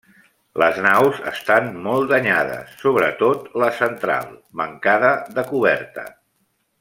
Les naus estan molt danyades, sobretot la central, mancada de coberta.